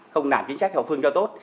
không làm chính sách hậu phương cho tốt